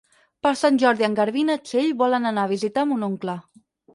Per Sant Jordi en Garbí i na Txell volen anar a visitar mon oncle.